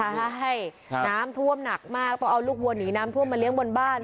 ใช่น้ำท่วมหนักมากต้องเอาลูกวัวหนีน้ำท่วมมาเลี้ยงบนบ้าน